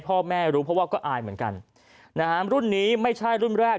พ่อแม่รู้เพราะว่าก็อายเหมือนกันนะฮะรุ่นนี้ไม่ใช่รุ่นแรก